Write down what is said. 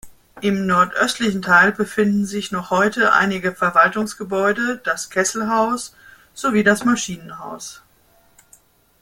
Im nordöstlichen Teil befinden sich noch heute einige Verwaltungsgebäude, das Kesselhaus, sowie das Maschinenhaus.